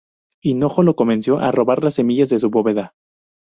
Hinojo lo convenció a robar las semillas de su bóveda.